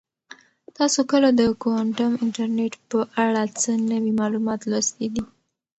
تاسو کله د کوانټم انټرنیټ په اړه څه نوي معلومات لوستي دي؟